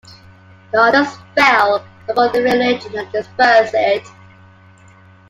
The others fell upon the rear legion and dispersed it.